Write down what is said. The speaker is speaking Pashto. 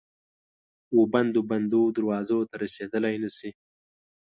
وبندو، بندو دروازو ته رسیدلای نه شي